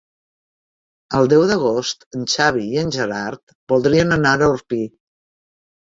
El deu d'agost en Xavi i en Gerard voldrien anar a Orpí.